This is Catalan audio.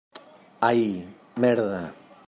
Ai, merda.